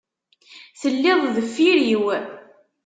Telliḍ deffir-iw.